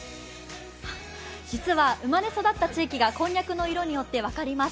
実は、生まれ育った地域がこんにゃくの色によって分かります。